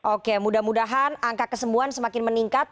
oke mudah mudahan angka kesembuhan semakin meningkat